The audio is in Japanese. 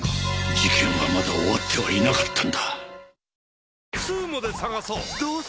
事件はまだ終わってはいなかったんだ。